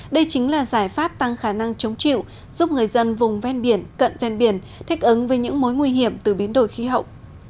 đây chính là giải pháp tăng khả năng chống chịu giúp người dân vùng ven biển cận ven biển thích ứng với những mối nguy hiểm từ biến đổi khí hậu